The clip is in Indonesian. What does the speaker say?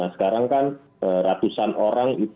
sekarang ratusan orang